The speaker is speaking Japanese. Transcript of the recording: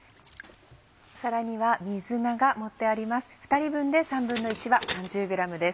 皿には水菜が盛ってあります。